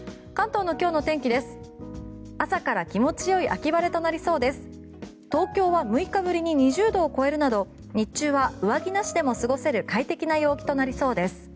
東京は６日ぶりに２０度を超えるなど日中は上着なしでも過ごせる快適な陽気となりそうです。